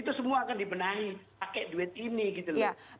itu semua akan dibenahi pakai duit ini gitu loh